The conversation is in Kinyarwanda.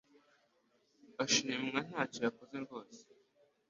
ashimwa ntacyo yakoze rwose